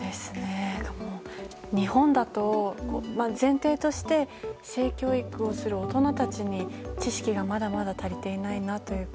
日本だと前提として性教育をする大人たちに知識がまだまだ足りていないというか。